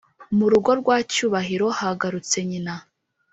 murugo rwa cyubahiro hagarutse nyina